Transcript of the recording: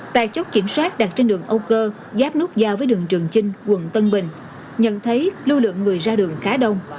tại chốt kiểm soát đặt trên đường âu cơ giáp nút giao với đường trường chinh quận tân bình nhận thấy lưu lượng người ra đường khá đông